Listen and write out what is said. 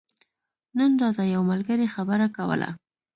نن راته يو ملګري خبره کوله